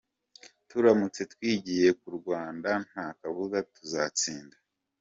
Turamutse twigiye ku Rwanda, ntakabuza tuzatsinda.